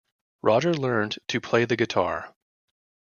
Roger learned to play the guitar.